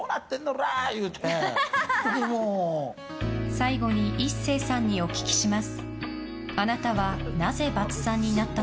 最後に壱成さんにお聞きします。